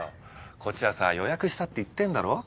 こっちはさ予約したって言ってんだろ。